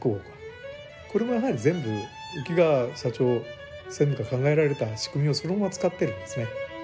これもやはり全部浮川社長・専務が考えられた仕組みをそのまま使ってるんですね。